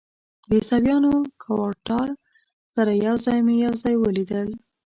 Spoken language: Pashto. د عیسویانو کوارټر سره یو ځای مې یو ځای ولیدل.